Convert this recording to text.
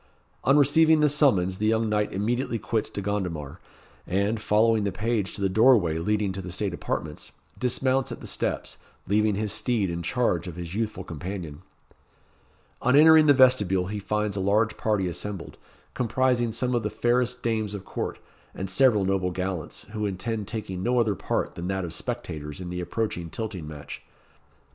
On receiving the summons the young knight immediately quits De Gondomar, and, following the page to the doorway leading to the state apartments, dismounts at the steps, leaving his steed in charge of his youthful companion. On entering the vestibule he finds a large party assembled, comprising some of the fairest dames of court, and several noble gallants, who intend taking no other part than that of spectators in the approaching tilting match.